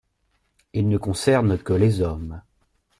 Ils ne concernent que les hommes.